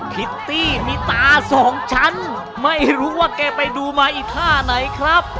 คิตตี้มีตาสองชั้นไม่รู้ว่าแกไปดูมาอีท่าไหนครับ